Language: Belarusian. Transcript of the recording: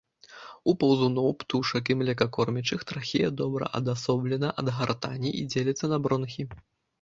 У паўзуноў, птушак і млекакормячых трахея добра адасоблена ад гартані і дзеліцца на бронхі.